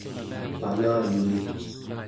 panayuli